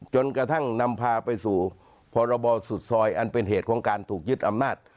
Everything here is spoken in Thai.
จนกระทั่งนำพาไปสู่พรบสุดซอยอันเป็นเหตุของการถูกยึดอำนาจ